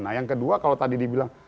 nah yang kedua kalau tadi dibilang